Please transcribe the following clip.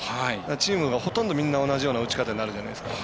チームがほとんどみんな同じような打ち方になるじゃないですか。